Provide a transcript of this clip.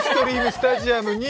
スタジアムです。